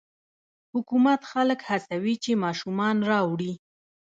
حکومت خلک هڅوي چې ماشومان راوړي.